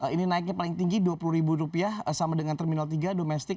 ini naiknya paling tinggi rp dua puluh ribu rupiah sama dengan terminal tiga domestik